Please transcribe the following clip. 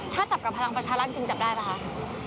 ถ้าจับกับพลังประชารัฐจริงจับได้ป่ะคะ